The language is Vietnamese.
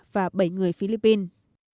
và bảy người philippines